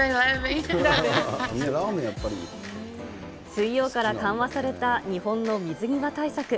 水曜から緩和された日本の水際対策。